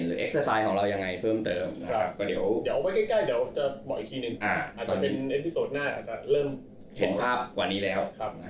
บอกอีกทีหนึ่งอาจจะเป็นอันตรายหน้าอาจจะเริ่มเห็นภาพกว่านี้แล้ว